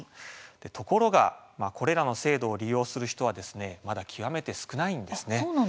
ところがこれらの制度を利用する人はまだ極めて少ないんです。